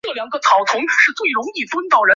属牂牁郡。